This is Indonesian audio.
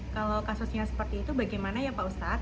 kalau kasusnya seperti itu bagaimana ya pak ustadz